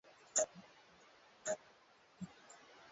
bi ingabire elize na diude hakizimana muziki